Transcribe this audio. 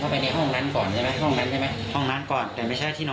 ทำไมเราถึงอยากเห็นห้องนอนเขาจังเลยพี่